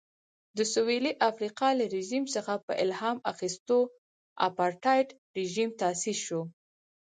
د سوېلي افریقا له رژیم څخه په الهام اخیستو اپارټایډ رژیم تاسیس شو.